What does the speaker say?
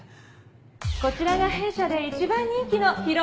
こちらが弊社で一番人気の披露